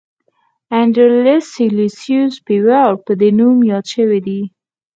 اندرلس سلسیوس په ویاړ په دې نوم یاد شوی دی.